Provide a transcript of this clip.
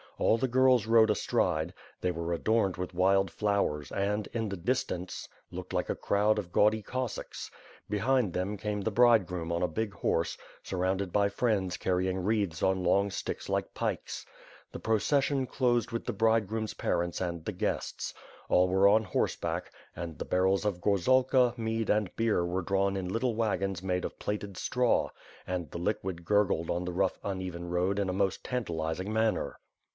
All the girls rode astride; they were adorned with wild flowers and, in the distance, looked like a crowd of gaudy Cossacks. Behind them came the bridegroom on a big horse, surrounded by friends carrying wreaths on long sticks like pikes. The procession closed with the bridegroom's parents and the guests. All were on horse back; and the barrels of gorzalka, mead and beer were drawn in little wagons made of plaited straw, and the liquid gurgled on the rough uneven road in a most tantalizing manner.